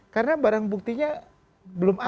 karena barang buktinya belum ada